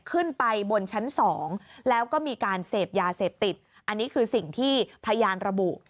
ขึ้นไปบนชั้นสองแล้วก็มีการเสพยาเสพติดอันนี้คือสิ่งที่พยานระบุ